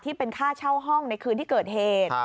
เป็นค่าเช่าห้องในคืนที่เกิดเหตุ